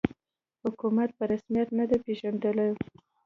حکومت په رسمیت نه دی پېژندلی